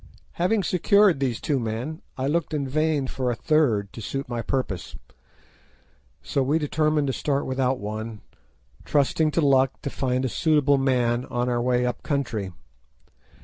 Having secured these two men I looked in vain for a third to suit my purpose, so we determined to start without one, trusting to luck to find a suitable man on our way up country.